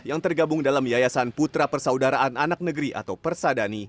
yang tergabung dalam yayasan putra persaudaraan anak negeri atau persadani